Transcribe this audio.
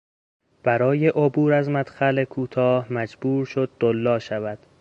برای عبور از مدخل کوتاه مجبور شد دولا شود.